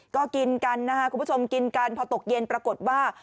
ก็กินกันนะครับคุณผู้ชมกินกันพอตกเย็นปรากฏว่า